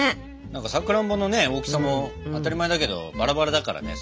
何かさくらんぼのね大きさも当たり前だけどバラバラだからね。